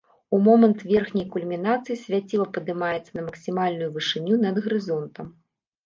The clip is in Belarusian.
У момант верхняй кульмінацыі свяціла падымаецца на максімальную вышыню над гарызонтам.